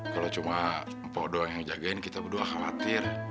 kalau cuma mpok doang yang jagain kita berdua khawatir